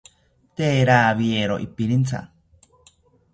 Tee rawiero ipirintha